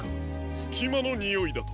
すきまのにおいだと？